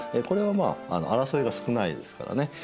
これはまあ争いが少ないですからね。